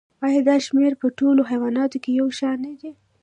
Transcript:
ایا دا شمیر په ټولو حیواناتو کې یو شان دی